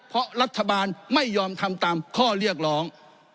เพราะรัฐบาลไม่ยอมทำตามข้อเรียกร้อง